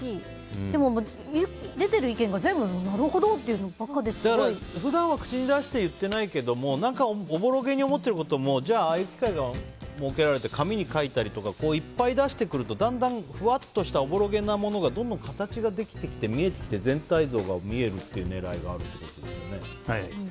でも出てる意見が全部なるほどっていうのばっかりで普段は口に出して言っていないけどおぼろげに思っていることもああいう機会が設けられて紙に書いたりとかいっぱい出してくるとだんだんふわっとしたおぼろげなものがどんどん形ができてきて見えてきて全体像が見えるという狙いがあるってことですよね。